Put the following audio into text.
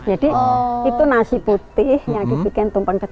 jadi itu nasi putih yang dibikin tumpang ketiga